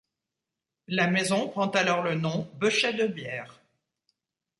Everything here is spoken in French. La maison prend alors le nom Beuchet-Debierre.